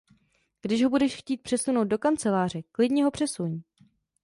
Když ho budeš chtít přesunout do kanceláře, klidně ho přesuň.